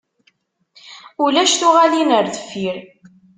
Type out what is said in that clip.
Ulac tuɣalin ar deffir.